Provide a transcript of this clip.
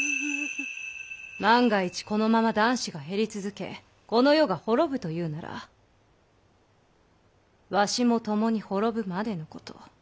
万が一このまま男子が減り続けこの世が滅ぶというならわしも共に滅ぶまでのこと。